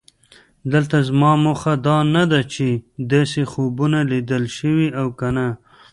دلته زما موخه دا نه ده چې داسې خوبونه لیدل شوي او که نه.